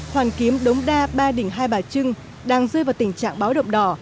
hoàn kiếm đống đa ba đỉnh hai bà trưng đang rơi vào tình trạng báo động đỏ